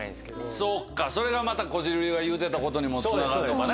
そうかそれがまたこじるりが言うてたことにもつながるのかな？